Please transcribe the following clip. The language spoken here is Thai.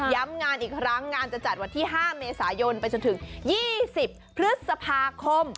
งานอีกครั้งงานจะจัดวันที่๕เมษายนไปจนถึง๒๐พฤษภาคม